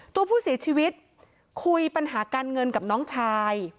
ตัวผู้เสียชีวิตคุยปัญหาการเงินกับน้องชาย